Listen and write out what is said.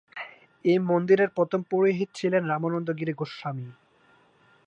এই মন্দিরের প্রথম পুরোহিত ছিলেন রামানন্দ গিরি গোস্বামী।